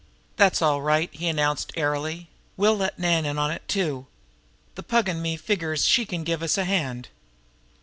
"That's all right!" he announced airily. "We'll let Nan in on it, too. The Pug an' me figures she can give us a hand."